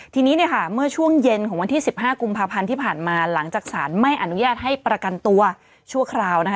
ทีนี้เนี่ยค่ะเมื่อช่วงเย็นของวันที่๑๕กุมภาพันธ์ที่ผ่านมาหลังจากสารไม่อนุญาตให้ประกันตัวชั่วคราวนะคะ